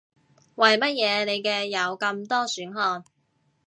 為乜嘢你嘅有咁多選項